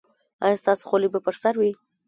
ایا ستاسو خولۍ به پر سر وي؟